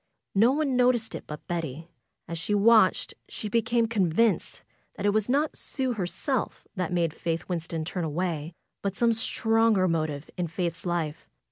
No one noticed it but Betty. As she watched she became convinced that it was not Sue herself that made Faith Winston turn away; but some stronger motive in Faith's life.